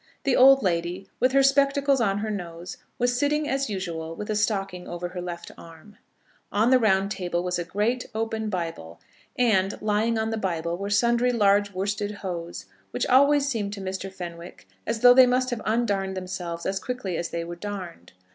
The old lady, with her spectacles on her nose, was sitting as usual with a stocking over her left arm. On the round table was a great open Bible, and, lying on the Bible, were sundry large worsted hose, which always seemed to Mr. Fenwick as though they must have undarned themselves as quickly as they were darned.